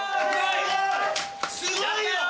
すごいよ！